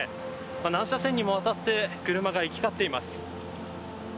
何車線にもわたって車が行き交っています。